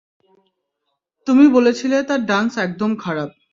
তুমি বলেছিলে তার ডান্স একদম খারাপ!